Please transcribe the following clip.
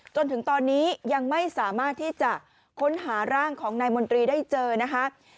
จนถึงตอนนี้ยังไม่สามารถที่จะค้นหาร่างของนายมนตรีได้เจอนะคะ